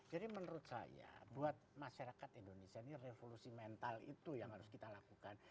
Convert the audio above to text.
jadi menurut saya buat masyarakat indonesia ini revolusi mental itu yang harus kita lakukan